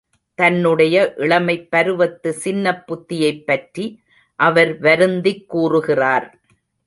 தன்னுடைய இளமைப் பருவத்து சின்னப் புத்தியைப் பற்றி அவர் வருந்திக் கூறகிறார்.